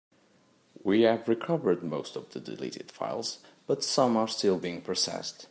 We have recovered most of the deleted files, but some are still being processed.